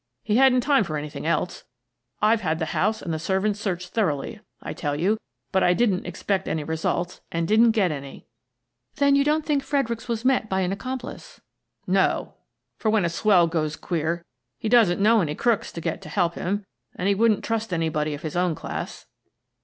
He hadn't time for any thing else. I've had the house and the servants searched thoroughly, I tell you, but I didn't expect any results, and didn't get any." " Then you don't think Fredericks was met by an accomplice?" "No, for when a swell goes queer he doesn't know any crooks to get to help him, and he wouldn't trust anybody of his own class."